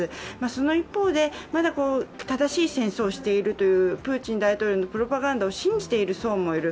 その一方で、まだ正しい戦争をしているというプーチン大統領のプロパガンダを信じている層もいる。